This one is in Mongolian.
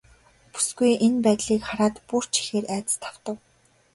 Бүсгүй энэ байдлыг хараад бүр ч ихээр айдаст автав.